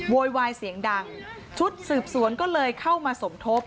โวยวายเสียงดังชุดสืบสวนก็เลยเข้ามาสมทบ